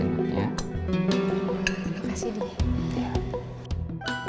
terima kasih di